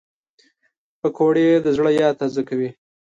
پکورې د زړه یاد تازه کوي